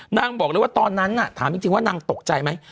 นางบอกเลยว่าตอนนั้นถามจริงว่านางตกใจไหม